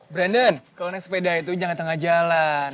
brandon kalau next pada itu jangan tengah jalan